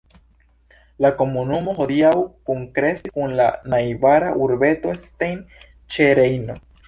La komunumo hodiaŭ kunkreskis kun la najbara urbeto Stein ĉe Rejno.